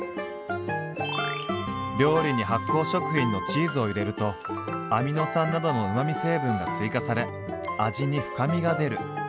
「料理に発酵食品のチーズを入れるとアミノ酸などのうまみ成分が追加され味に深みが出る」。